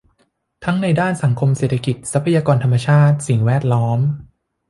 ทั้งในด้านสังคมเศรษฐกิจ ทรัพยากรธรรมชาติ สิ่งแวดล้อม